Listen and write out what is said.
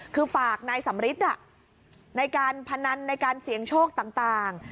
คือฝากนายสำริทในการพนันในการเสี่ยงโชคต่าง